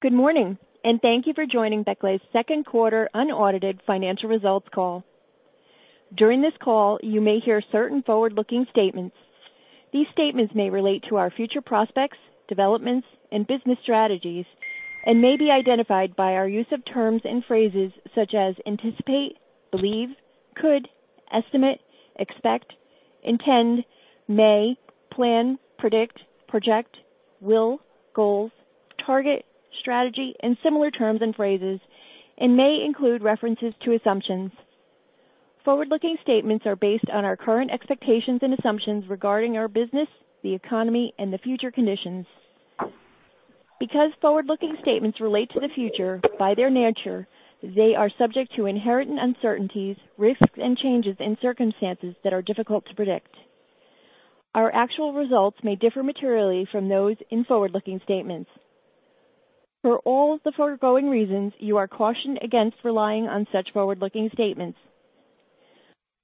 Good morning. Thank you for joining Becle's second quarter unaudited financial results call. During this call, you may hear certain forward-looking statements. These statements may relate to our future prospects, developments, and business strategies, and may be identified by our use of terms and phrases such as anticipate, believe, could, estimate, expect, intend, may, plan, predict, project, will, goals, target, strategy, and similar terms and phrases, and may include references to assumptions. Forward-looking statements are based on our current expectations and assumptions regarding our business, the economy, and the future conditions. Because forward-looking statements relate to the future, by their nature, they are subject to inherent uncertainties, risks, and changes in circumstances that are difficult to predict. Our actual results may differ materially from those in forward-looking statements. For all of the foregoing reasons, you are cautioned against relying on such forward-looking statements.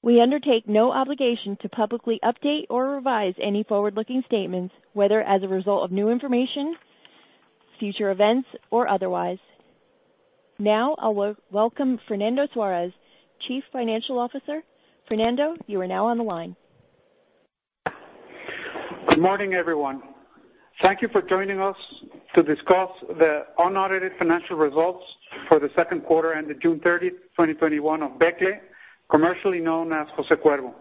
We undertake no obligation to publicly update or revise any forward-looking statements, whether as a result of new information, future events, or otherwise. Now, I'll welcome Fernando Suárez, Chief Financial Officer. Fernando, you are now on the line. Good morning, everyone. Thank you for joining us to discuss the unaudited financial results for the second quarter ended June 30th, 2021, of Becle, commercially known as Jose Cuervo.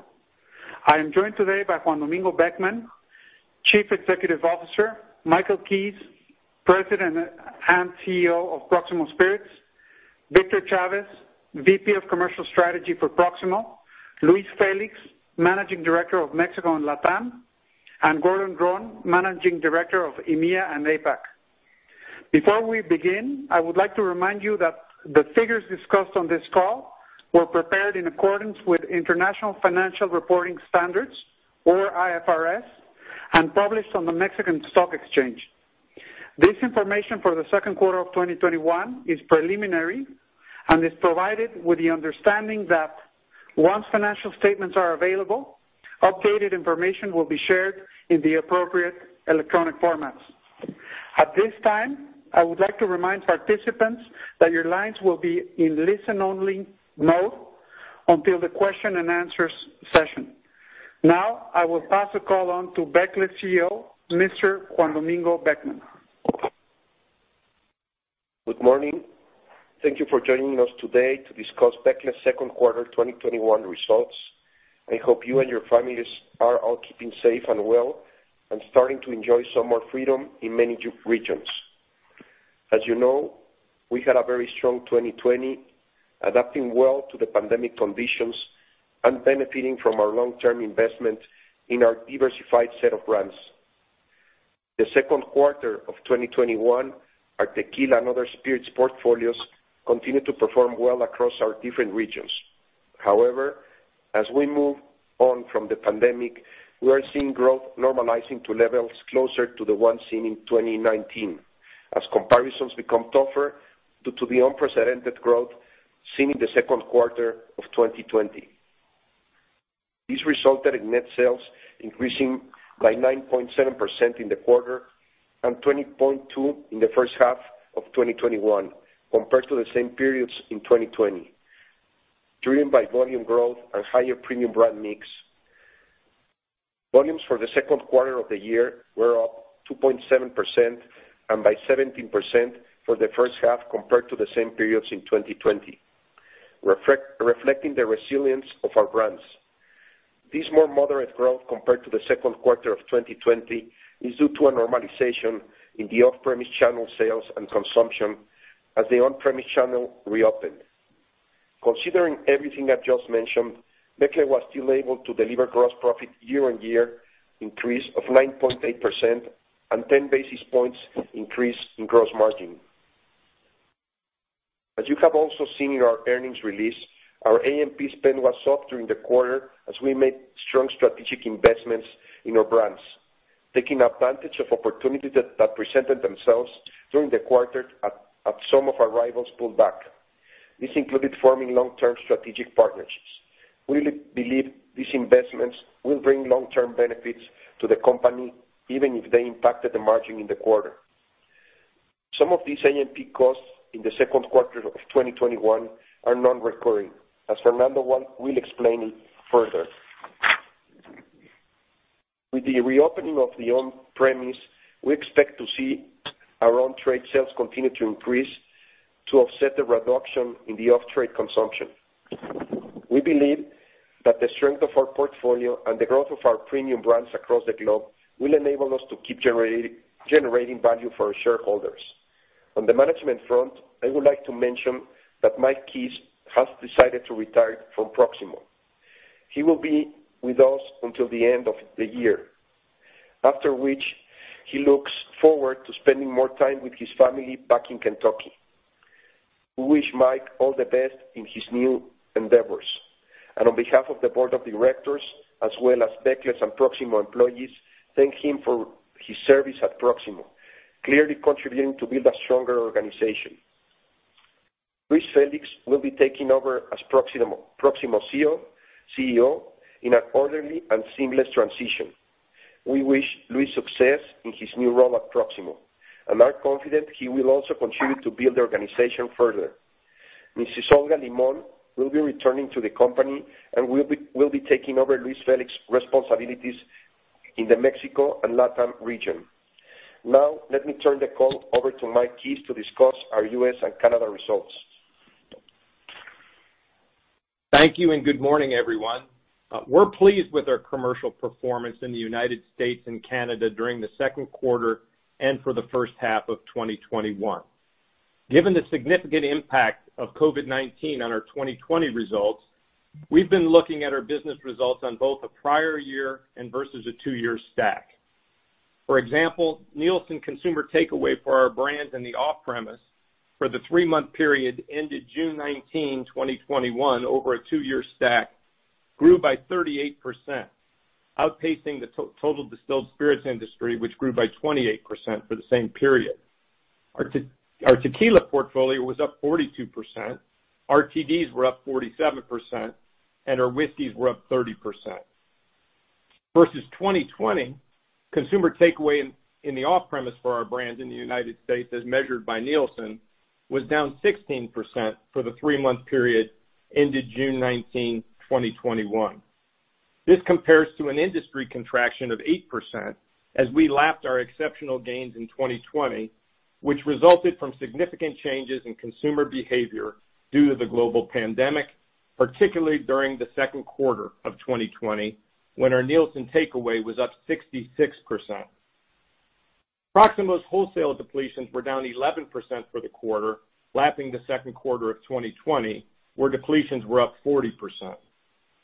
I am joined today by Juan Domingo Beckmann, Chief Executive Officer, Michael Keyes, President and Chief Executive Officer of Proximo Spirits, Victor Chavez, VP of Commercial Strategy for Proximo, Luis Félix, Managing Director of Mexico and LATAM, and Gordon Dron, Managing Director of EMEA and APAC. Before we begin, I would like to remind you that the figures discussed on this call were prepared in accordance with International Financial Reporting Standards, or IFRS, and published on the Mexican Stock Exchange. This information for the second quarter of 2021 is preliminary and is provided with the understanding that once financial statements are available, updated information will be shared in the appropriate electronic formats. At this time, I would like to remind participants that your lines will be in listen only mode until the question and answers session. Now, I will pass the call on to Becle CEO, Mr. Juan Domingo Beckmann. Good morning. Thank you for joining us today to discuss Becle's second quarter 2021 results. I hope you and your families are all keeping safe and well and starting to enjoy some more freedom in many regions. As you know, we had a very strong 2020, adapting well to the pandemic conditions and benefiting from our long-term investment in our diversified set of brands. The second quarter of 2021, our tequila and other spirits portfolios continued to perform well across our different regions. However, as we move on from the pandemic, we are seeing growth normalizing to levels closer to the ones seen in 2019, as comparisons become tougher due to the unprecedented growth seen in the second quarter of 2020. This resulted in net sales increasing by 9.7% in the quarter and 20.2% in the first half of 2021, compared to the same periods in 2020, driven by volume growth and higher premium brand mix. Volumes for the second quarter of the year were up 2.7% and by 17% for the first half compared to the same periods in 2020, reflecting the resilience of our brands. This more moderate growth compared to the second quarter of 2020 is due to a normalization in the off-premise channel sales and consumption as the on-premise channel reopened. Considering everything I just mentioned, Becle was still able to deliver gross profit year-over-year increase of 9.8% and 10 basis points increase in gross margin. As you have also seen in our earnings release, our A&P spend was soft during the quarter as we made strong strategic investments in our brands, taking advantage of opportunities that presented themselves during the quarter as some of our rivals pulled back. This included forming long-term strategic partnerships. We believe these investments will bring long-term benefits to the company, even if they impacted the margin in the quarter. Some of these A&P costs in the second quarter of 2021 are non-recurring, as Fernando will explain it further. With the reopening of the on-premise, we expect to see our on-trade sales continue to increase to offset the reduction in the off-trade consumption. We believe that the strength of our portfolio and the growth of our premium brands across the globe will enable us to keep generating value for our shareholders. On the management front, I would like to mention that Mike Keyes has decided to retire from Proximo. He will be with us until the end of the year. After which, he looks forward to spending more time with his family back in Kentucky. We wish Mike Keyes all the best in his new endeavors, and on behalf of the Board of Directors, as well as Becle's and Proximo employees, thank him for his service at Proximo, clearly contributing to build a stronger organization. Luis Félix will be taking over as Proximo CEO in an orderly and seamless transition. We wish Luis Félix success in his new role at Proximo and are confident he will also contribute to build the organization further. Mrs. Olga Limón Montaño will be returning to the company and will be taking over Luis Félix responsibilities in the Mexico and LATAM region. Let me turn the call over to Mike Keyes to discuss our U.S. and Canada results. Thank you, and good morning, everyone. We're pleased with our commercial performance in the U.S. and Canada during the second quarter and for the first half of 2021. Given the significant impact of COVID-19 on our 2020 results, we've been looking at our business results on both a prior year and versus a two-year stack. For example, Nielsen consumer takeaway for our brands in the off-premise for the three month period ended June 19, 2021, over a two-year stack grew by 38%, outpacing the total distilled spirits industry, which grew by 28% for the same period. Our tequila portfolio was up 42%, RTDs were up 47%, and our whiskeys were up 30%. Versus 2020, consumer takeaway in the off-premise for our brands in the U.S., as measured by Nielsen, was down 16% for the three-month period ended June 19, 2021. This compares to an industry contraction of 8% as we lapped our exceptional gains in 2020, which resulted from significant changes in consumer behavior due to the global pandemic, particularly during Q2 2020, when our Nielsen takeaway was up 66%. Proximo's wholesale depletions were down 11% for the quarter, lapping Q2 2020, where depletions were up 40%.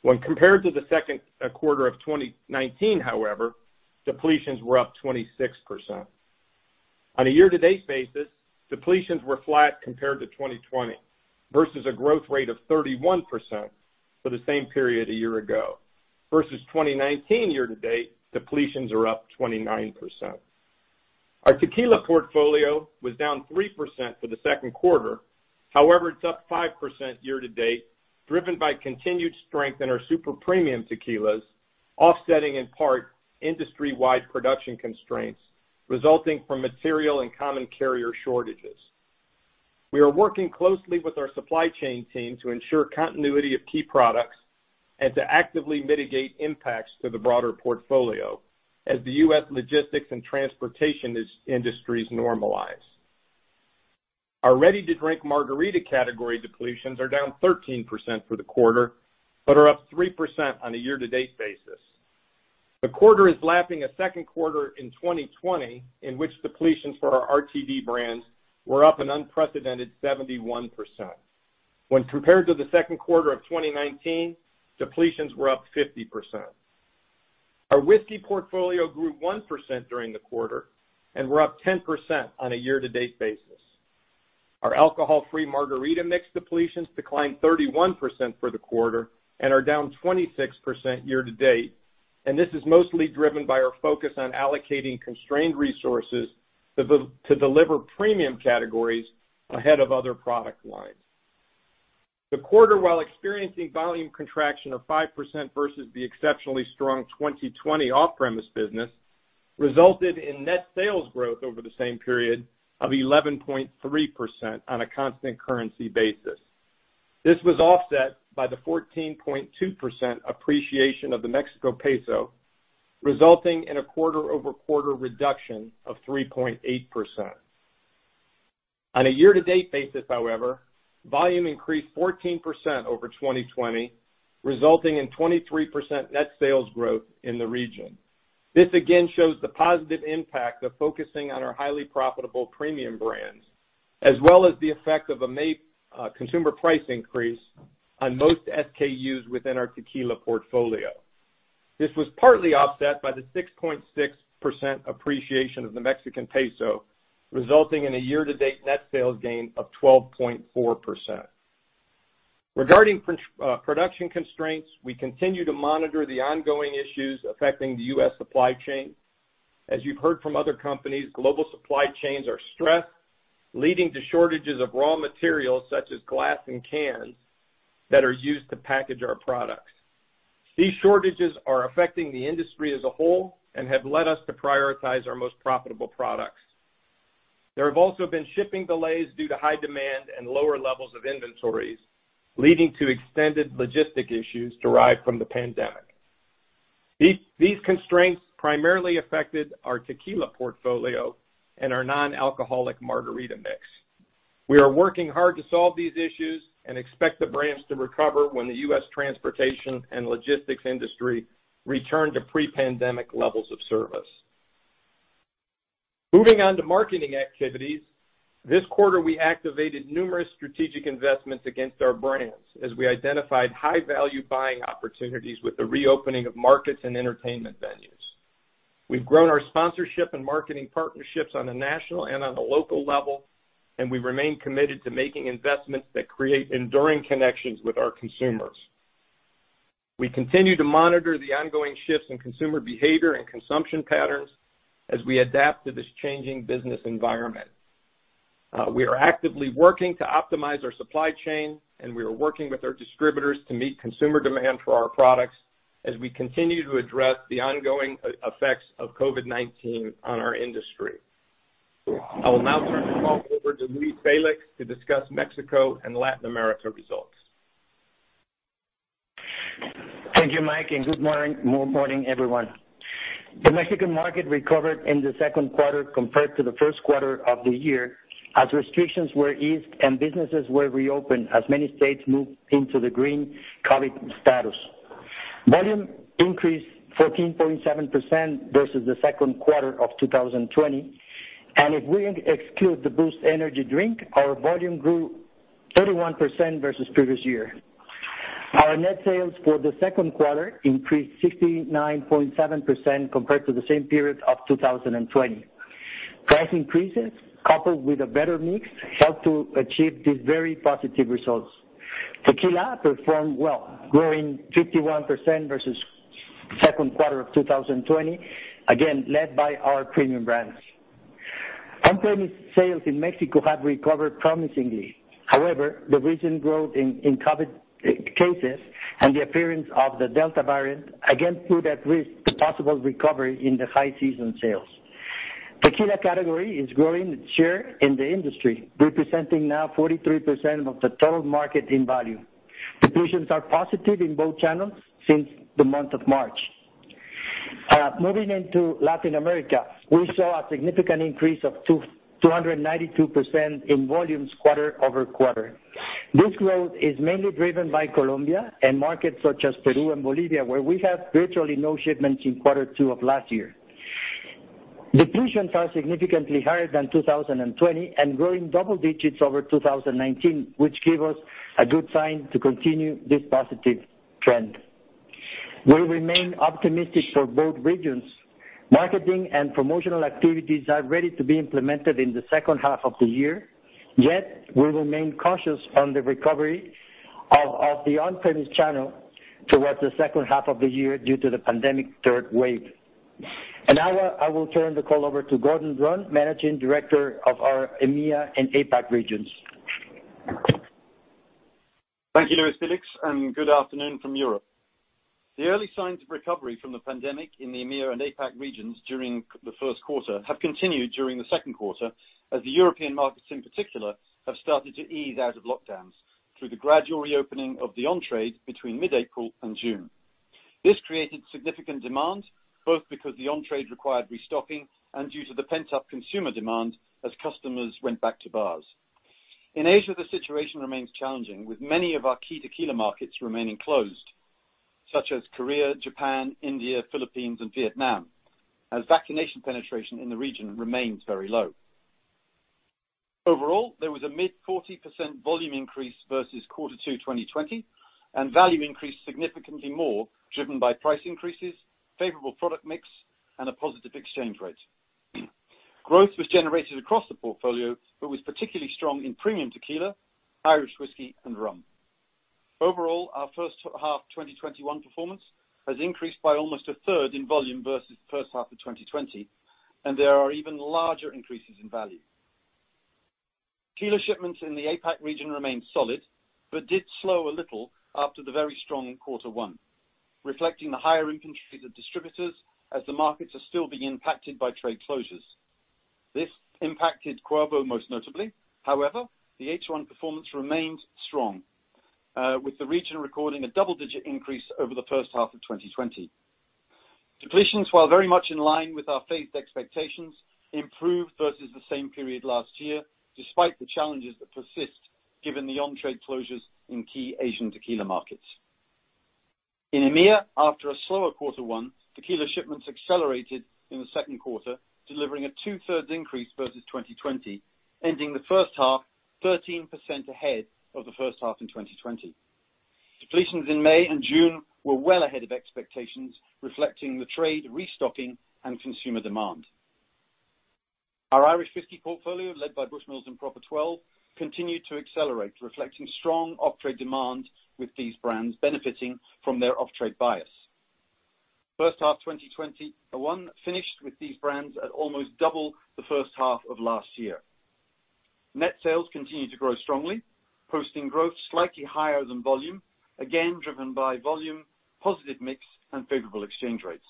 When compared to Q2 2019, however, depletions were up 26%. On a year-to-date basis, depletions were flat compared to 2020, versus a growth rate of 31% for the same period a year ago. Versus 2019 year-to-date, depletions are up 29%. Our tequila portfolio was down 3% for the Q2. However, it's up 5% year-to-date, driven by continued strength in our super premium tequilas, offsetting in part industry-wide production constraints resulting from material and common carrier shortages. We are working closely with our supply chain team to ensure continuity of key products and to actively mitigate impacts to the broader portfolio as the U.S. logistics and transportation industries normalize. Our ready-to-drink margarita category depletions are down 13% for the quarter but are up 3% on a year-to-date basis. The quarter is lapping a second quarter in 2020, in which depletions for our RTD brands were up an unprecedented 71%. When compared to the second quarter of 2019, depletions were up 50%. Our whiskey portfolio grew 1% during the quarter and we're up 10% on a year-to-date basis. Our alcohol-free margarita mix depletions declined 31% for the quarter and are down 26% year-to-date, and this is mostly driven by our focus on allocating constrained resources to deliver premium categories ahead of other product lines. The quarter, while experiencing volume contraction of 5% versus the exceptionally strong 2020 off-premise business, resulted in net sales growth over the same period of 11.3% on a constant currency basis. This was offset by the 14.2% appreciation of the Mexican peso, resulting in a quarter-over-quarter reduction of 3.8%. On a year-to-date basis, however, volume increased 14% over 2020, resulting in 23% net sales growth in the region. This again shows the positive impact of focusing on our highly profitable premium brands, as well as the effect of a consumer price increase on most SKUs within our tequila portfolio. This was partly offset by the 6.6% appreciation of the Mexican peso, resulting in a year-to-date net sales gain of 12.4%. Regarding production constraints, we continue to monitor the ongoing issues affecting the U.S. supply chain. As you've heard from other companies, global supply chains are stressed, leading to shortages of raw materials such as glass and cans that are used to package our products. These shortages are affecting the industry as a whole and have led us to prioritize our most profitable products. There have also been shipping delays due to high demand and lower levels of inventories, leading to extended logistic issues derived from the pandemic. These constraints primarily affected our tequila portfolio and our non-alcoholic margarita mix. We are working hard to solve these issues and expect the brands to recover when the U.S. transportation and logistics industry return to pre-pandemic levels of service. Moving on to marketing activities. This quarter, we activated numerous strategic investments against our brands as we identified high-value buying opportunities with the reopening of markets and entertainment venues. We've grown our sponsorship and marketing partnerships on a national and on a local level, and we remain committed to making investments that create enduring connections with our consumers. We continue to monitor the ongoing shifts in consumer behavior and consumption patterns as we adapt to this changing business environment. We are actively working to optimize our supply chain, and we are working with our distributors to meet consumer demand for our products as we continue to address the ongoing effects of COVID-19 on our industry. I will now turn the call over to Luis Félix to discuss Mexico and Latin America results. Thank you, Mike, and good morning everyone. The Mexican market recovered in the second quarter compared to the first quarter of the year, as restrictions were eased and businesses were reopened as many states moved into the green COVID-19 status. Volume increased 14.7% versus the second quarter of 2020. If we exclude the b:oost energy drink, our volume grew 31% versus previous year. Our net sales for the second quarter increased 69.7% compared to the same period of 2020. Price increases, coupled with a better mix, helped to achieve these very positive results. Tequila performed well, growing 51% versus second quarter of 2020, again, led by our premium brands. On-premise sales in Mexico have recovered promisingly. However, the recent growth in COVID-19 cases and the appearance of the Delta variant again put at risk the possible recovery in the high season sales. Tequila category is growing its share in the industry, representing now 43% of the total market end volume. Depletions are positive in both channels since the month of March. Moving into Latin America, we saw a significant increase of 292% in volumes quarter-over-quarter. This growth is mainly driven by Colombia and markets such as Peru and Bolivia, where we have virtually no shipments in Q2 of last year. Depletions are significantly higher than 2020 and growing double digits over 2019, which give us a good sign to continue this positive trend. We remain optimistic for both regions. Marketing and promotional activities are ready to be implemented in the second half of the year. We remain cautious on the recovery of the on-premise channel towards the second half of the year due to the pandemic third wave. Now, I will turn the call over to Gordon Dron, Managing Director of our EMEA and APAC regions. Thank you, Luis Félix. Good afternoon from Europe. The early signs of recovery from the pandemic in the EMEA and APAC regions during the first quarter have continued during the second quarter, as the European markets in particular have started to ease out of lockdowns through the gradual reopening of the on-trade between mid-April and June. This created significant demand, both because the on-trade required restocking and due to the pent-up consumer demand as customers went back to bars. In Asia, the situation remains challenging, with many of our key tequila markets remaining closed, such as Korea, Japan, India, Philippines, and Vietnam, as vaccination penetration in the region remains very low. Overall, there was a mid 40% volume increase versus Q2 2020, and value increased significantly more, driven by price increases, favorable product mix, and a positive exchange rate. Growth was generated across the portfolio but was particularly strong in premium tequila, Irish whiskey, and rum. Overall, our first half 2021 performance has increased by almost a third in volume versus the first half of 2020, and there are even larger increases in value. Tequila shipments in the APAC region remain solid but did slow a little after the very strong quarter one, reflecting the higher inventories of distributors as the markets are still being impacted by trade closures. This impacted Cuervo most notably. However, the H1 performance remained strong, with the region recording a double-digit increase over the first half of 2020. Depletions, while very much in line with our phased expectations, improved versus the same period last year, despite the challenges that persist given the on-trade closures in key Asian tequila markets. In EMEA, after a slower quarter one, tequila shipments accelerated in the second quarter, delivering a two-thirds increase versus 2020, ending the first half 13% ahead of the first half in 2020. Depletions in May and June were well ahead of expectations, reflecting the trade restocking and consumer demand. Our Irish whiskey portfolio, led by Bushmills and Proper No. Twelve, continued to accelerate, reflecting strong off-trade demand with these brands benefiting from their off-trade bias. First half 2021 finished with these brands at almost double the first half of last year. Net sales continued to grow strongly, posting growth slightly higher than volume, again, driven by volume, positive mix, and favorable exchange rates.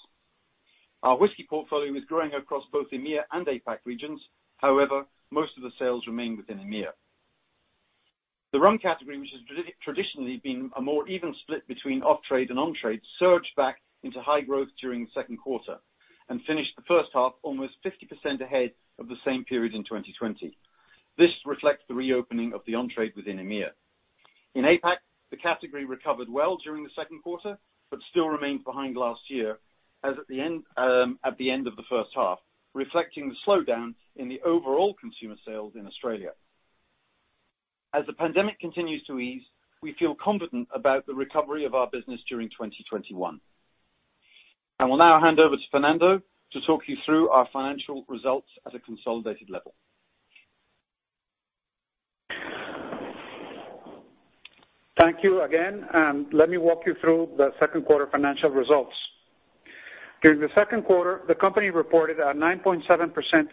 Our whiskey portfolio is growing across both EMEA and APAC regions. However, most of the sales remain within EMEA. The rum category, which has traditionally been a more even split between off-trade and on-trade, surged back into high growth during the second quarter and finished the first half almost 50% ahead of the same period in 2020. This reflects the reopening of the on-trade within EMEA. In APAC, the category recovered well during the second quarter, but still remained behind last year, as at the end of the first half, reflecting the slowdown in the overall consumer sales in Australia. As the pandemic continues to ease, we feel confident about the recovery of our business during 2021. I will now hand over to Fernando Suárez Gerard to talk you through our financial results at a consolidated level. Thank you again, let me walk you through the second quarter financial results. During the second quarter, the company reported a 9.7%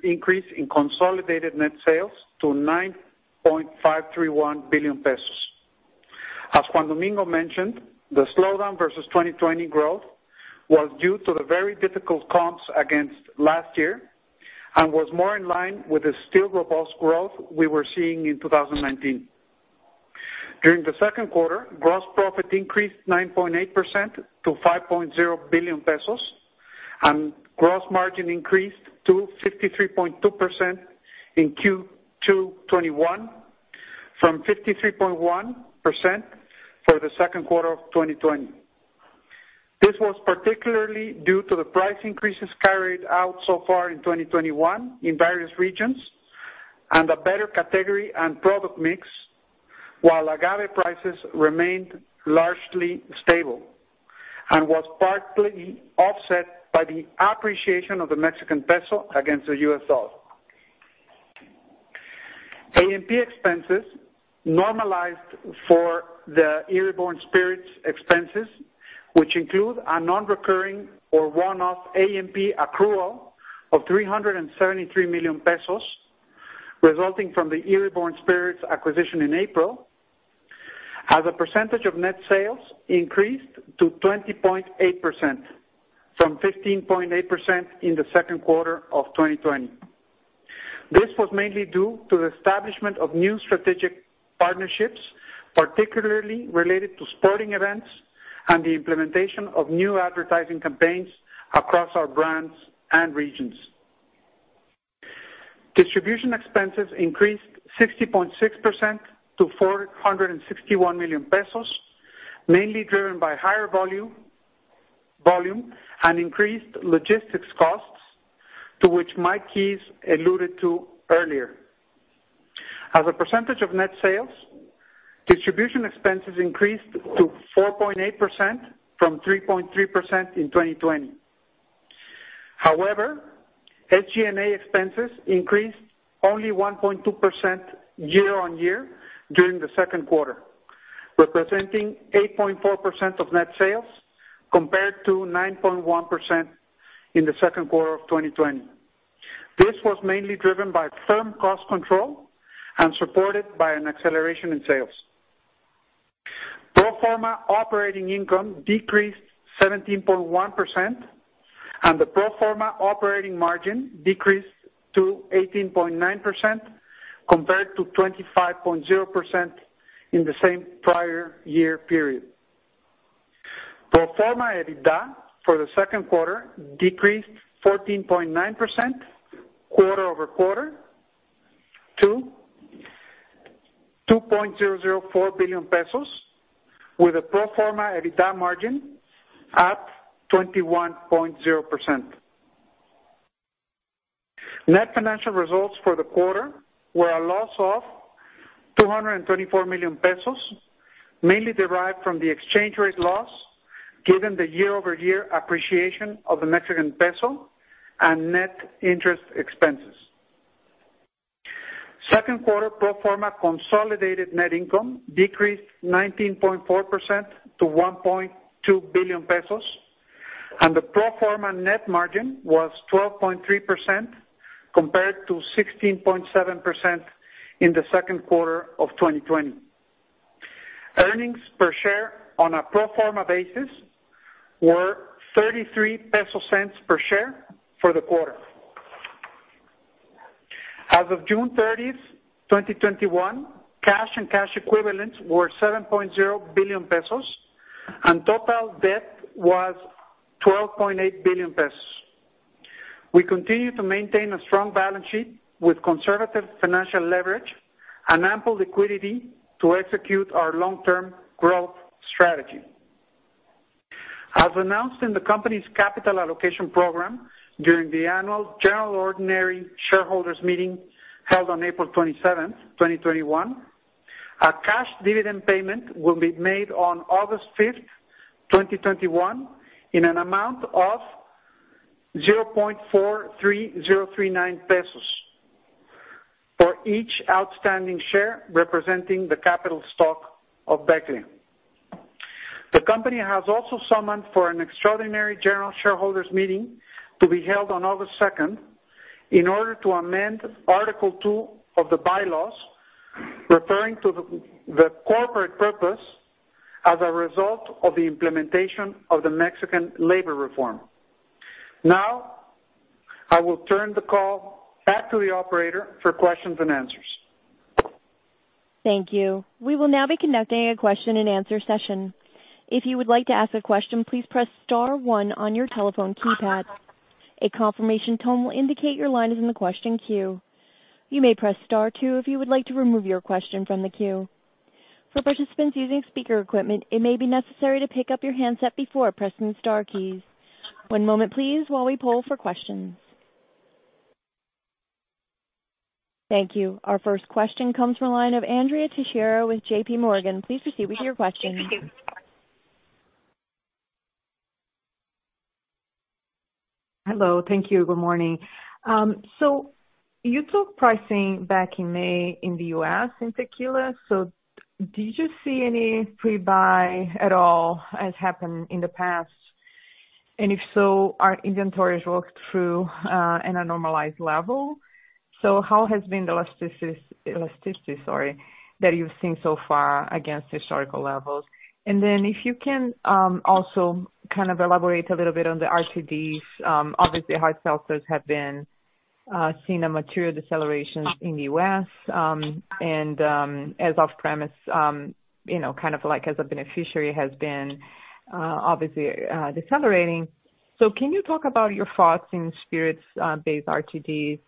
increase in consolidated net sales to 9.531 billion pesos. As Juan Domingo mentioned, the slowdown versus 2020 growth was due to the very difficult comps against last year, and was more in line with the still robust growth we were seeing in 2019. During the second quarter, gross profit increased 9.8% to 5.0 billion pesos, and gross margin increased to 53.2% in Q2 2021 from 53.1% for the second quarter of 2020. This was particularly due to the price increases carried out so far in 2021 in various regions, and a better category and product mix, while agave prices remained largely stable and was partly offset by the appreciation of the Mexican peso against the U.S. dollar. A&P expenses normalized for the Eire Born Spirits expenses, which include a non-recurring or one-off A&P accrual of 373 million pesos, resulting from the Eire Born Spirits acquisition in April, as a percentage of net sales increased to 20.8% from 15.8% in the second quarter of 2020. This was mainly due to the establishment of new strategic partnerships, particularly related to sporting events and the implementation of new advertising campaigns across our brands and regions. Distribution expenses increased 60.6% to 461 million pesos, mainly driven by higher volume and increased logistics costs, to which Michael Keyes alluded to earlier. As a percentage of net sales, distribution expenses increased to 4.8% from 3.3% in 2020. SG&A expenses increased only 1.2% year-over-year during the second quarter, representing 8.4% of net sales compared to 9.1% in the second quarter of 2020. This was mainly driven by firm cost control and supported by an acceleration in sales. Pro forma operating income decreased 17.1%, and the pro forma operating margin decreased to 18.9% compared to 25.0% in the same prior year period. Pro forma EBITDA for the second quarter decreased 14.9% quarter-over-quarter to 2.004 billion pesos, with a pro forma EBITDA margin at 21.0%. Net financial results for the quarter were a loss of 224 million pesos, mainly derived from the exchange rate loss given the year-over-year appreciation of the Mexican peso and net interest expenses. Second quarter pro forma consolidated net income decreased 19.4% to 1.2 billion pesos, and the pro forma net margin was 12.3% compared to 16.7% in the second quarter of 2020. Earnings per share on a pro forma basis were 0.33 per share for the quarter. As of June 30th, 2021, cash and cash equivalents were 7.0 billion pesos, and total debt was 12.8 billion pesos. We continue to maintain a strong balance sheet with conservative financial leverage and ample liquidity to execute our long-term growth strategy. As announced in the company's capital allocation program during the annual general ordinary shareholders meeting held on April 27th, 2021, a cash dividend payment will be made on August 5th, 2021, in an amount of 0.43039 pesos for each outstanding share representing the capital stock of Becle. The company has also summoned for an extraordinary general shareholders meeting to be held on August 2nd in order to amend Article 2 of the bylaws referring to the corporate purpose as a result of the implementation of the Mexican Labor Reform. Now, I will turn the call back to the operator for questions and answers. Thank you. We will now be conducting a question and answer session. Thank you. Our first question comes from the line of Andrea Teixeira with JPMorgan. Please proceed with your question Hello. Thank you. Good morning. You took pricing back in May in the U.S. in tequila. Did you see any pre-buy at all as happened in the past? If so, are inventories worked through in a normalized level? How has been the elasticity, sorry, that you've seen so far against historical levels? If you can also kind of elaborate a little bit on the RTDs. Obviously, hard seltzers have been seeing a material deceleration in the U.S., and as off-premise, kind of like as a beneficiary, has been obviously decelerating. Can you talk about your thoughts in spirits-based RTDs?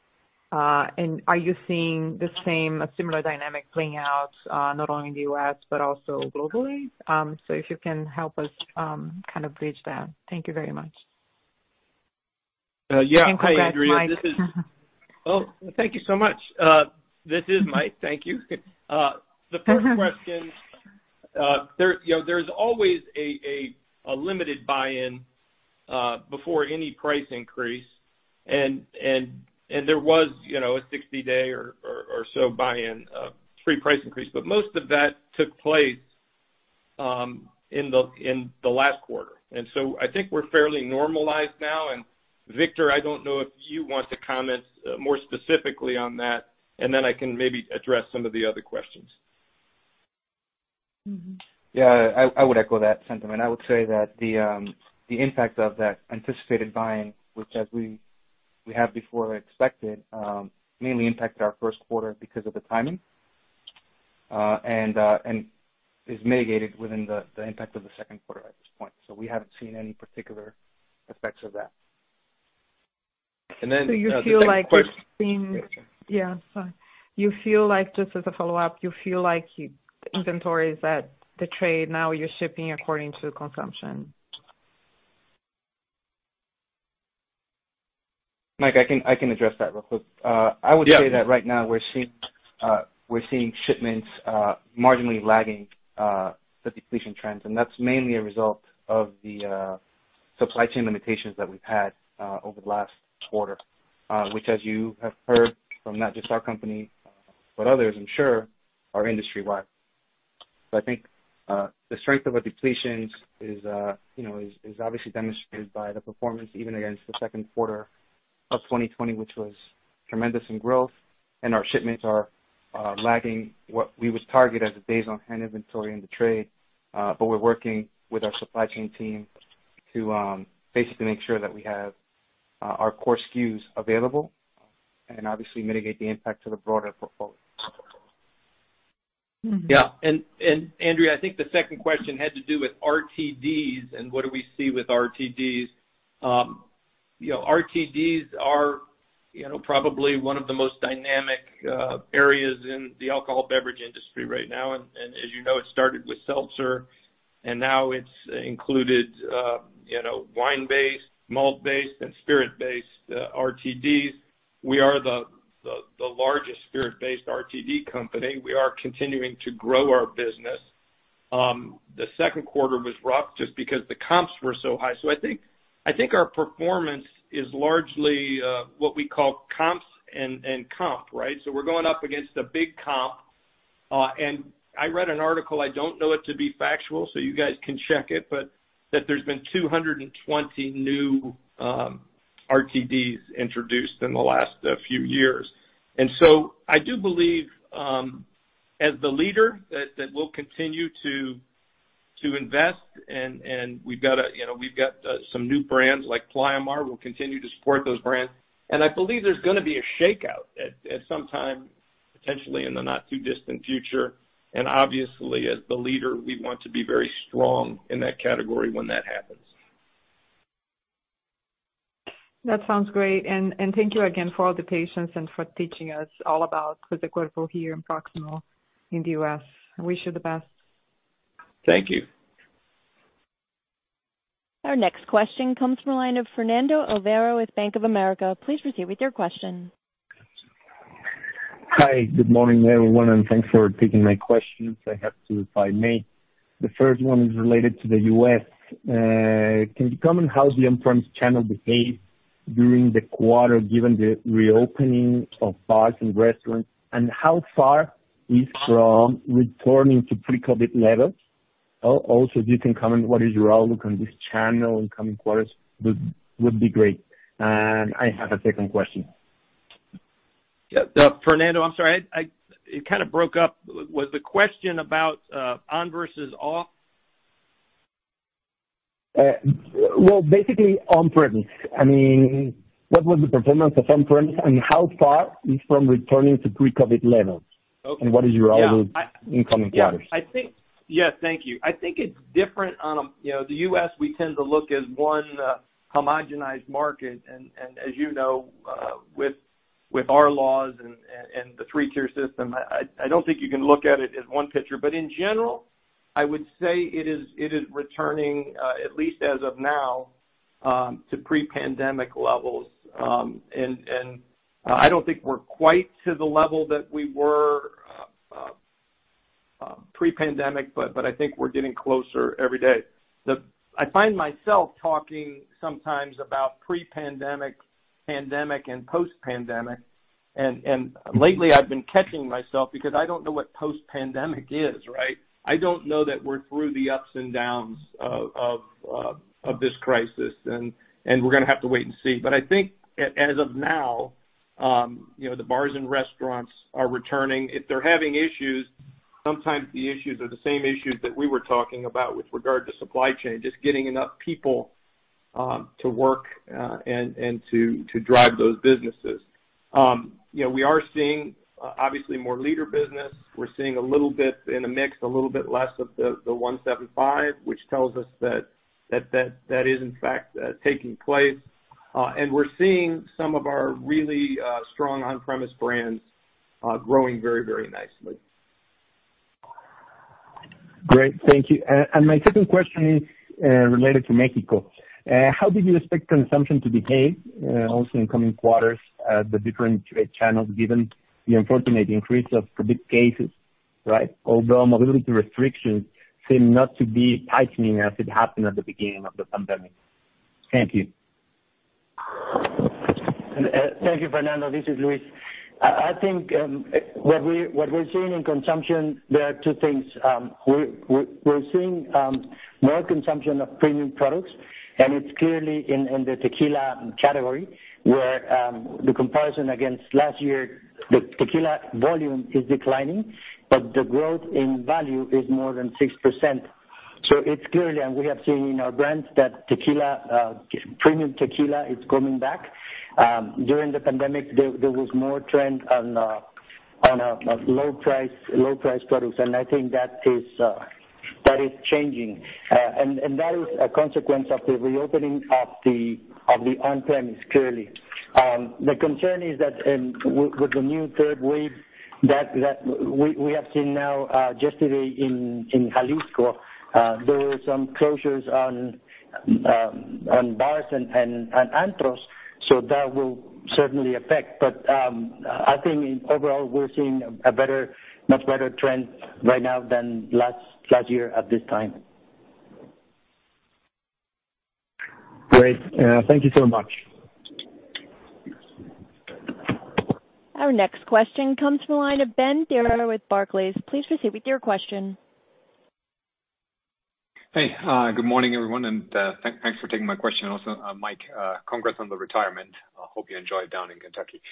Are you seeing the same, a similar dynamic playing out, not only in the U.S. but also globally? If you can help us kind of bridge that. Thank you very much. Yeah. Hi, Andrea. Congrats, Mike. Oh, thank you so much. This is Mike. Thank you. The first question, there's always a limited buy-in before any price increase. There was a 60-day or so buy-in, pre-price increase. Most of that took place in the last quarter. I think we're fairly normalized now. Victor, I don't know if you want to comment more specifically on that, and then I can maybe address some of the other questions. Yeah, I would echo that sentiment. I would say that the impact of that anticipated buying, which as we have before expected, mainly impacted our first quarter because of the timing, and is mitigated within the impact of the second quarter at this point. We haven't seen any particular effects of that. The second question. Just as a follow-up, you feel like your inventory is at the trade now? You're shipping according to consumption? Mike, I can address that real quick. Yeah. I would say that right now we're seeing shipments marginally lagging the depletion trends. That's mainly a result of the supply chain limitations that we've had over the last quarter, which as you have heard from not just our company, but others I'm sure, are industry-wide. I think the strength of our depletions is obviously demonstrated by the performance even against the second quarter of 2020, which was tremendous in growth. Our shipments are lagging what we would target as a days on hand inventory in the trade. We're working with our supply chain team to basically make sure that we have our core SKUs available, and obviously mitigate the impact to the broader portfolio. Yeah. Andrea, I think the second question had to do with RTDs and what do we see with RTDs. RTDs are probably one of the most dynamic areas in the alcohol beverage industry right now. As you know, it started with seltzer, and now it's included wine-based, malt-based, and spirit-based RTDs. We are the largest spirit-based RTD company. We are continuing to grow our business. The second quarter was rough just because the comps were so high. I think our performance is largely what we call comps and comp, right. We're going up against a big comp. I read an article, I don't know it to be factual, so you guys can check it, but that there's been 220 new RTDs introduced in the last few years. I do believe, as the leader, that we'll continue to invest, and we've got some new brands like Playamar. We'll continue to support those brands. I believe there's gonna be a shakeout at some time, potentially in the not too distant future. Obviously, as the leader, we want to be very strong in that category when that happens. That sounds great. Thank you again for all the patience and for teaching us all about Casa Cuervo here and Proximo in the U.S. I wish you the best. Thank you. Our next question comes from the line of Fernando Olvera with Bank of America. Please proceed with your question. Hi. Good morning, everyone, and thanks for taking my questions. I have two, if I may. The first one is related to the U.S. Can you comment how the on-premise channel behaved during the quarter, given the reopening of bars and restaurants, and how far is from returning to pre-COVID levels? Also, if you can comment what is your outlook on this channel in coming quarters, would be great. I have a second question. Fernando, I'm sorry. It kind of broke up. Was the question about on versus off? Basically on-premise. I mean, what was the performance of on-premise, and how far is from returning to pre-COVID-19 levels? Okay. Yeah. What is your outlook in coming quarters? Yeah. Thank you. I think it's different on the U.S., we tend to look as one homogenized market. As you know, with our laws and the three-tier system, I don't think you can look at it as one picture. In general, I would say it is returning, at least as of now, to pre-pandemic levels. I don't think we're quite to the level that we were pre-pandemic, I think we're getting closer every day. I find myself talking sometimes about pre-pandemic, pandemic, and post-pandemic, lately I've been catching myself because I don't know what post-pandemic is. Right? I don't know that we're through the ups and downs of this crisis, we're going to have to wait and see. I think as of now, the bars and restaurants are returning. If they're having issues, sometimes the issues are the same issues that we were talking about with regard to supply chain, just getting enough people to work and to drive those businesses. We are seeing, obviously, more leader business. We're seeing a little bit in the mix, a little bit less of the 175, which tells us that is in fact taking place. We're seeing some of our really strong on-premise brands growing very, very nicely. Great. Thank you. My second question is related to Mexico. How did you expect consumption to behave also in coming quarters at the different trade channels, given the unfortunate increase of COVID cases? Although mobility restrictions seem not to be tightening as it happened at the beginning of the pandemic. Thank you. Thank you, Fernando. This is Luis. I think what we're seeing in consumption, there are two things. We're seeing more consumption of premium products, and it's clearly in the tequila category where the comparison against last year, the tequila volume is declining, but the growth in value is more than 6%. It's clear, and we have seen in our brands that premium tequila is coming back. During the pandemic, there was more trend on low-price products, and I think that is changing. That is a consequence of the reopening of the on-premise, clearly. The concern is that with the new third wave that we have seen now yesterday in Jalisco, there were some closures on bars and antros. That will certainly affect. I think overall we're seeing a much better trend right now than last year at this time. Great. Thank you so much. Our next question comes from the line of Benjamin Theurer with Barclays. Please proceed with your question. Hey, good morning, everyone, and thanks for taking my question. Also, Mike, congrats on the retirement. Hope you enjoy it down in Kentucky.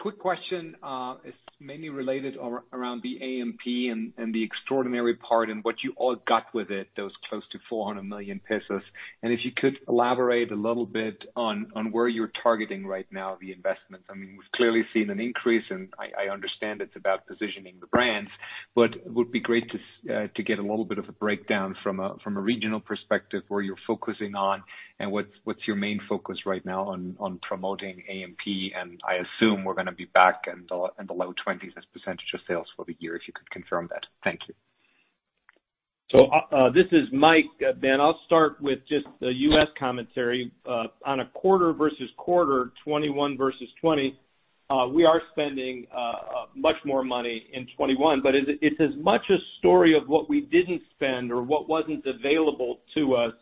Quick question, it's mainly related around the A&P and the extraordinary part and what you all got with it, those close to 400 million pesos. If you could elaborate a little bit on where you're targeting right now, the investments. We've clearly seen an increase, and I understand it's about positioning the brands, but it would be great to get a little bit of a breakdown from a regional perspective, where you're focusing on and what's your main focus right now on promoting A&P. I assume we're going to be back in the low 20s as percentage of sales for the year, if you could confirm that. Thank you. This is Mike. Ben, I'll start with just the U.S. commentary. On a quarter-over-quarter, 2021 versus 2020, we are spending much more money in 2021, but it's as much a story of what we didn't spend or what wasn't available to us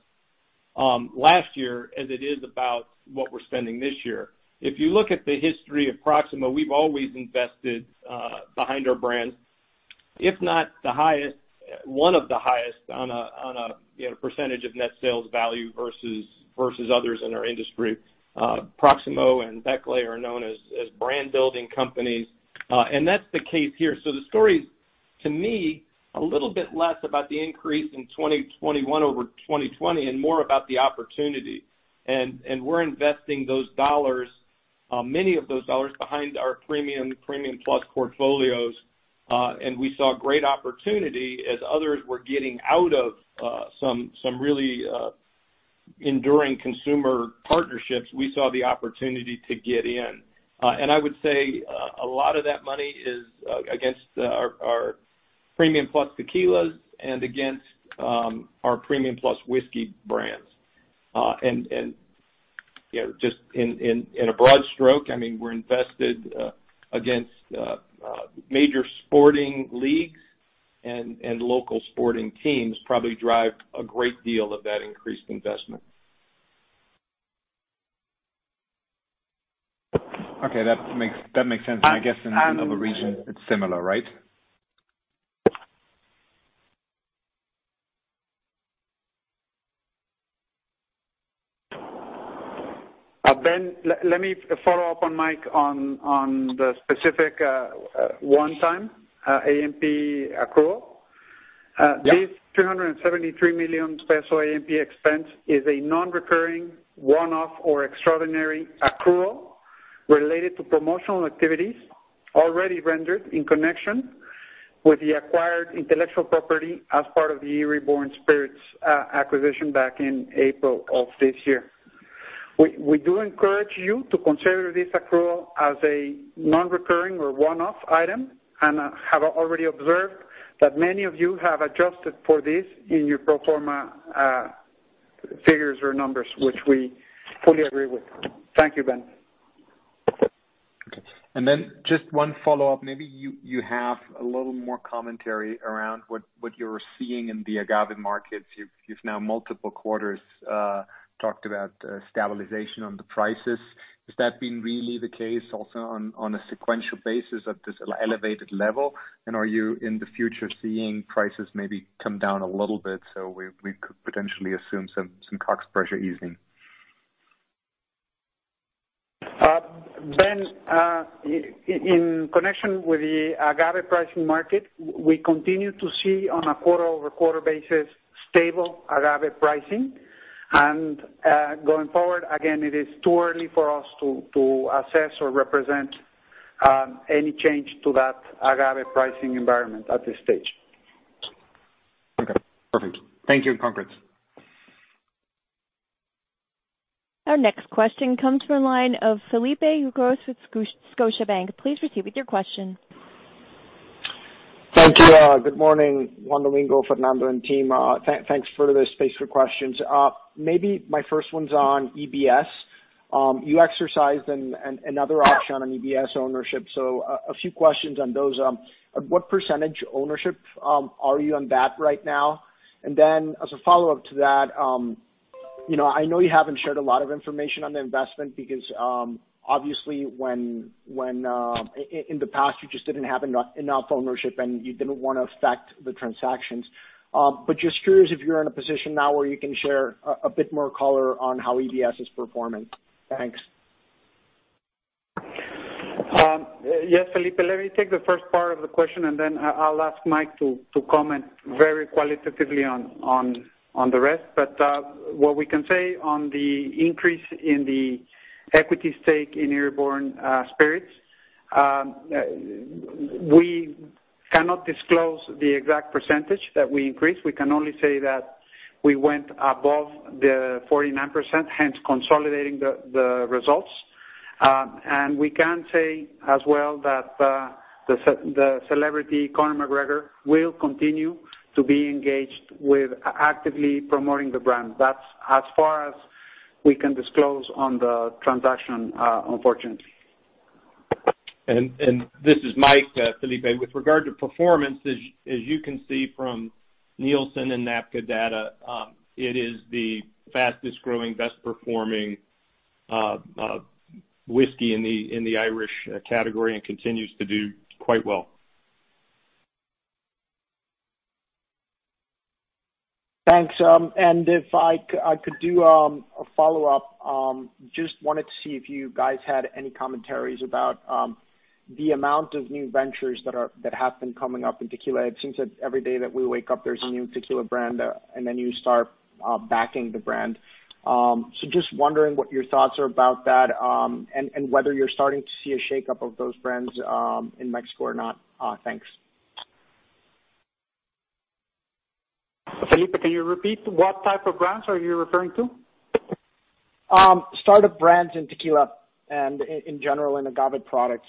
last year as it is about what we're spending this year. If you look at the history of Proximo, we've always invested behind our brands, if not the highest, one of the highest on a percentage of net sales value versus others in our industry. Proximo and Becle are known as brand-building companies. That's the case here. The story to me, a little bit less about the increase in 2021 over 2020, and more about the opportunity. We're investing many of those dollars behind our premium plus portfolios. We saw great opportunity as others were getting out of some really enduring consumer partnerships, we saw the opportunity to get in. I would say a lot of that money is against our premium plus tequilas and against our premium plus whiskey brands. Just in a broad stroke, we're invested against major sporting leagues and local sporting teams probably drive a great deal of that increased investment. Okay. That makes sense. I guess in the other regions it's similar, right? Ben, let me follow up on Mike on the specific one-time A&P accrual. Yeah. This 373 million peso A&P expense is a non-recurring, one-off or extraordinary accrual related to promotional activities already rendered in connection with the acquired intellectual property as part of the Eire Born Spirits acquisition back in April of this year. We do encourage you to consider this accrual as a non-recurring or one-off item and have already observed that many of you have adjusted for this in your pro forma figures or numbers, which we fully agree with. Thank you, Ben. Okay. Then just one follow-up. Maybe you have a little more commentary around what you're seeing in the agave markets. You've now multiple quarters talked about stabilization on the prices. Has that been really the case also on a sequential basis at this elevated level? Are you, in the future, seeing prices maybe come down a little bit, so we could potentially assume some COGS pressure easing? Ben, in connection with the agave pricing market, we continue to see on a quarter-over-quarter basis, stable agave pricing. Going forward, again, it is too early for us to assess or represent any change to that agave pricing environment at this stage. Okay, perfect. Thank you, and congrats. Our next question comes from the line of Felipe Ucros with Scotiabank. Please proceed with your question. Thank you. Good morning, Juan Domingo, Fernando, and team. Thanks for the space for questions. Maybe my first one's on EBS. You exercised another option on EBS ownership. A few questions on those. What percentage ownership are you on that right now? As a follow-up to that, I know you haven't shared a lot of information on the investment because, obviously when, in the past you just didn't have enough ownership and you didn't want to affect the transactions. Just curious if you're in a position now where you can share a bit more color on how EBS is performing. Thanks. Yes, Felipe. Let me take the first part of the question, then I'll ask Mike to comment very qualitatively on the rest. What we can say on the increase in the equity stake in Eire Born Spirits, we cannot disclose the exact percentage that we increased. We can only say that we went above the 49%, hence consolidating the results. We can say as well that the celebrity, Conor McGregor, will continue to be engaged with actively promoting the brand. That's as far as we can disclose on the transaction, unfortunately. This is Mike, Felipe. With regard to performance, as you can see from Nielsen and NABCA data, it is the fastest growing, best performing whiskey in the Irish category and continues to do quite well. Thanks. If I could do a follow-up, just wanted to see if you guys had any commentaries about the amount of new ventures that have been coming up in tequila. It seems that every day that we wake up, there's a new tequila brand, and then you start backing the brand. Just wondering what your thoughts are about that, and whether you're starting to see a shake-up of those brands in Mexico or not. Thanks. Felipe, can you repeat what type of brands are you referring to? Startup brands in tequila and in general in agave products.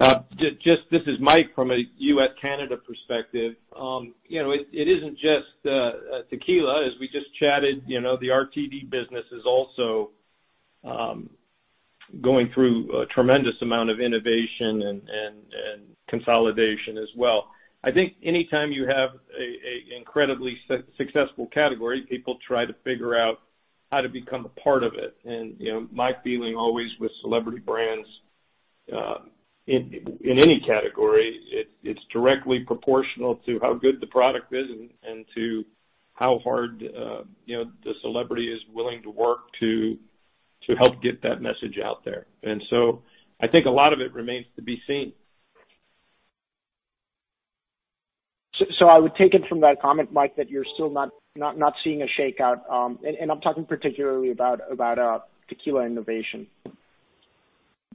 This is Mike from a U.S.-Canada perspective. It isn't just tequila, as we just chatted, the RTD business is also going through a tremendous amount of innovation and consolidation as well. I think anytime you have an incredibly successful category, people try to figure out how to become a part of it. My feeling always with celebrity brands, in any category, it's directly proportional to how good the product is and to how hard the celebrity is willing to work to help get that message out there. I think a lot of it remains to be seen. I would take it from that comment, Mike, that you're still not seeing a shakeout, and I'm talking particularly about tequila innovation.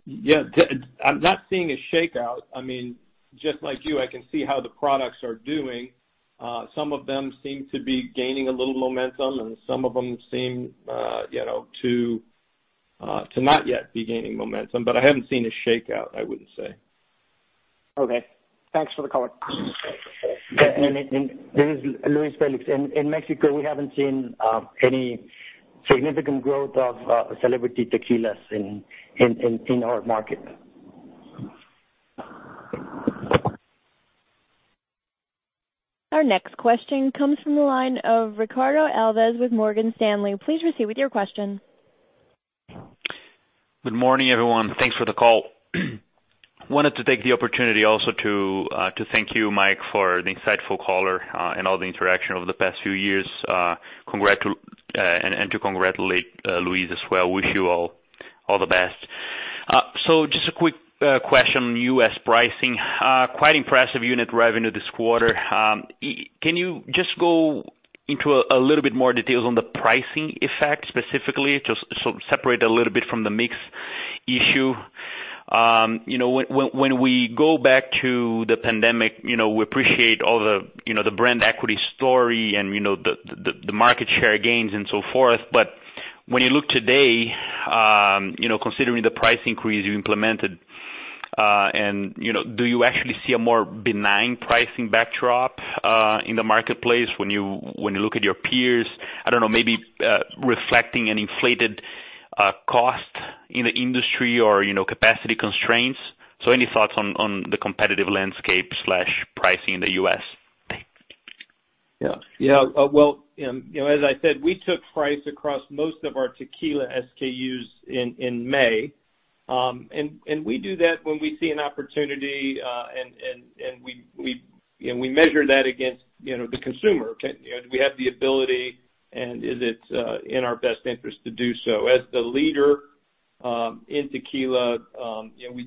Yeah. I'm not seeing a shakeout. Just like you, I can see how the products are doing. Some of them seem to be gaining a little momentum, and some of them seem to not yet be gaining momentum. I haven't seen a shakeout, I wouldn't say. Okay. Thanks for the color. This is Luis Félix. In Mexico, we haven't seen any significant growth of celebrity tequilas in our market. Our next question comes from the line of Ricardo Alves with Morgan Stanley. Please proceed with your question. Good morning, everyone. Thanks for the call. Wanted to take the opportunity also to thank you, Mike, for the insightful color, and all the interaction over the past few years. To congratulate Luis Félix as well. Wish you all the best. Just a quick question, U.S. pricing, quite impressive unit revenue this quarter. Can you just go into a little bit more details on the pricing effect specifically? Just separate a little bit from the mix issue. When we go back to the pandemic, we appreciate all the brand equity story and the market share gains and so forth, but when you look today, considering the price increase you implemented, do you actually see a more benign pricing backdrop in the marketplace when you look at your peers, maybe reflecting an inflated cost in the industry or capacity constraints? Any thoughts on the competitive landscape/pricing in the U.S.? Yeah. Well, as I said, we took price across most of our tequila SKUs in May. We do that when we see an opportunity, and we measure that against the consumer. Do we have the ability, and is it in our best interest to do so? As the leader in tequila, we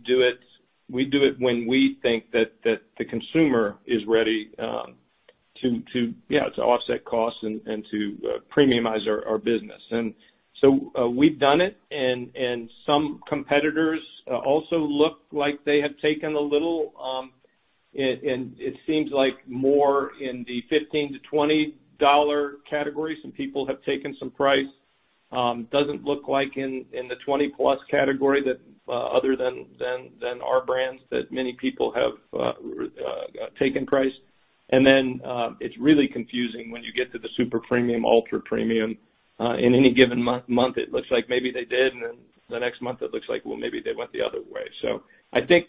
do it when we think that the consumer is ready to offset costs and to premiumize our business. We've done it, and some competitors also look like they have taken a little, and it seems like more in the $15-$20 category. Some people have taken some price. Doesn't look like in the 20+ category, other than our brands, that many people have taken price. It's really confusing when you get to the super premium, ultra premium. In any given month, it looks like maybe they did, and then the next month it looks like, well, maybe they went the other way. I think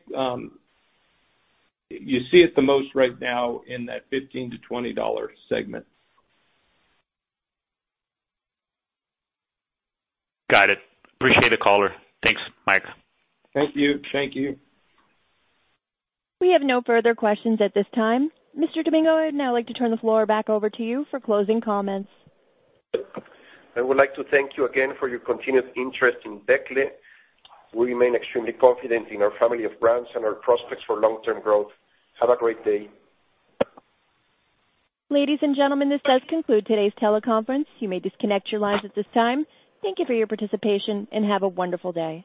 you see it the most right now in that $15-$20 segment. Got it. Appreciate the color. Thanks, Mike. Thank you. We have no further questions at this time. Mr. Domingo, I'd now like to turn the floor back over to you for closing comments. I would like to thank you again for your continued interest in Becle. We remain extremely confident in our family of brands and our prospects for long-term growth. Have a great day. Ladies and gentlemen, this does conclude today's teleconference. You may disconnect your lines at this time. Thank you for your participation, and have a wonderful day.